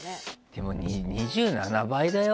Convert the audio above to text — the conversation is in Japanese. でも、２７倍だよ。